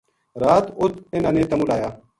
رات اُت اِنھاں نے تمو لایا